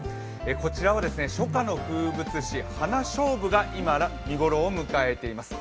こちらは初夏の風物詩、花菖蒲が今、見頃を迎えています。